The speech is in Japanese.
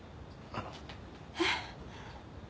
あの。えっ？